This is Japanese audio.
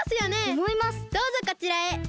どうぞこちらへ！